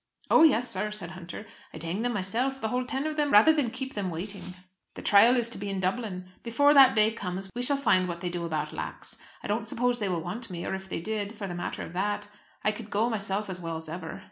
"Oh, yes! sir," said Hunter. "I'd hang them myself; the whole ten of them, rather than keep them waiting." "The trial is to be in Dublin. Before that day comes we shall find what they do about Lax. I don't suppose they will want me; or if they did, for the matter of that, I could go myself as well as ever."